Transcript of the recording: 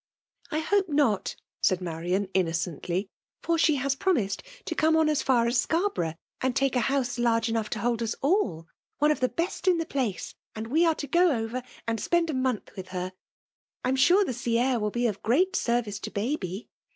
'* "I hope not/' said Marian> innocently ; "for she has promised to come on as far as S6ar* borough, and take a house large enough to hold us all — one of the best in the place— ^nd we are to go over and spend a month with her* I am sure the sea air will be of great service to baby."